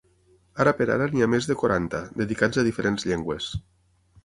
Ara per ara n'hi ha més de quaranta, dedicats a diferents llengües.